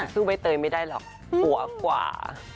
สู้ใบเตยไม่ได้หรอกหัวกว่า